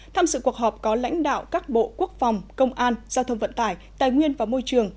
tham sự cuộc họp có lãnh đạo các bộ quốc phòng công an giao thông vận tải tài nguyên và môi trường